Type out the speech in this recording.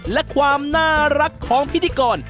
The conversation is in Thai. และความน่ารักของพิธีกร